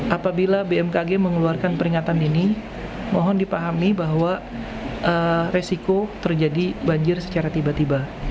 apabila bmkg mengeluarkan peringatan ini mohon dipahami bahwa resiko terjadi banjir secara tiba tiba